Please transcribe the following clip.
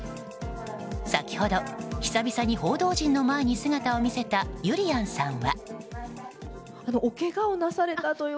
先ほど、久々に報道陣の前に姿を見せたゆりやんさんは。